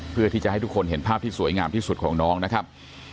เพื่อที่จะให้ทุกคนเห็นภาพที่สวยงามที่สุดของน้องนะครับ